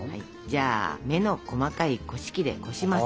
じゃあ目の細かいこし器でこします。